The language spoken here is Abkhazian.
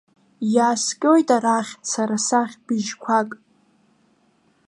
Иааскьоит арахь, сара сахь, бжьқәак.